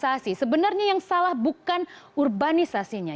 tetap pun urbanisasi sebenarnya yang salah bukan urbanisasinya